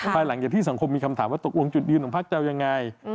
ภายหลังจากที่สังคมมีคำถามว่าตกลงจุดยืนของพักจะเอายังไง